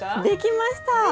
できました！